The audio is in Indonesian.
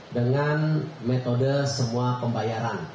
dengan metode semua pembayaran